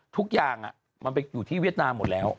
ทุกอย่างมันไปอยู่ที่เวียดนามหมดแล้ว